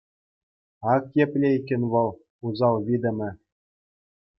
Ак епле иккен вӑл, усал витӗмӗ.